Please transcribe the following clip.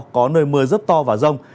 có nơi mưa rất to và rông